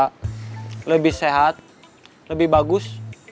lebih muda lebih sehat lebih bagus